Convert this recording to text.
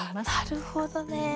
なるほどね。